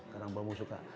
kerang bambu suka